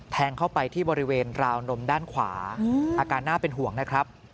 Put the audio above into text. แทงเข้าไปที่บริเวณราวนมด้านขวาอาการน่าเป็นห่วงนะครับ